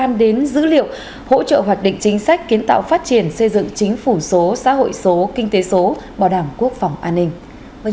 đăng đến dữ liệu hỗ trợ hoạt định chính sách kiến tạo phát triển xây dựng chính phủ số xã hội số kinh tế số bảo đảm quốc phòng an ninh